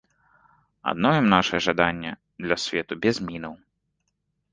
Адновім нашае жаданне для свету без мінаў.